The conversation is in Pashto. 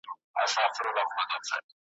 ورځ په ورځ دي شواخون درته ډېرېږی `